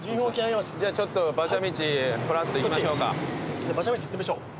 じゃあちょっと馬車道ふらっと行きましょうか。